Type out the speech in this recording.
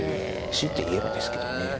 強いて言えばですけどね